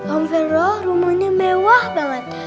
om verro rumahnya mewah banget